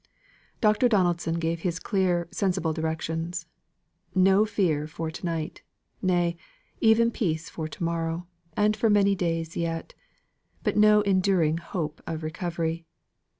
Dr. Donaldson gave his clear, sensible directions. No fear for to night nay, even peace for to morrow, and for many days yet. But no enduring hope of recovery.